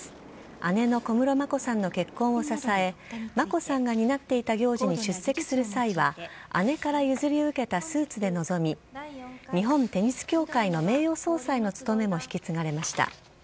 姉の小室眞子さんの結婚を支え、眞子さんが担っていた行事に出席する際は、姉から譲り受けたスーツで臨み、日本テニス協会の名誉総裁の務めも引き継がれました。